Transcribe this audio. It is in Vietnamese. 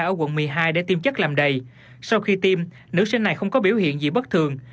ở quận một mươi hai để tiêm chất làm đầy sau khi tiêm nữ sinh này không có biểu hiện gì bất thường